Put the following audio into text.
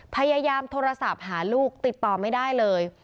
พยายามโทรศัพท์หาลูกติดต่อไม่ได้เลย